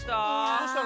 どうした？